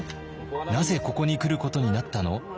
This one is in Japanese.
「なぜここに来ることになったの？」